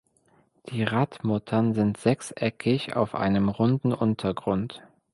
Die Radmuttern sind sechseckig auf einem runden Untergrund.